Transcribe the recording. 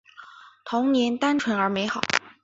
童年单纯而美好